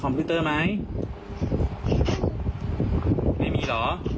แวเงอร์